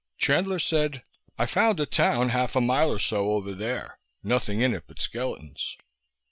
Chandler said, "I found a town half a mile or so over there, nothing in it but skeletons."